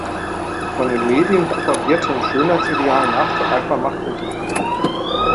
Von den Medien propagierten Schönheitsidealen nachzueifern macht unzufrieden.